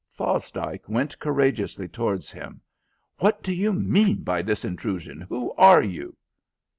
Fosdike went courageously towards him. "What do you mean by this intrusion? Who are you?"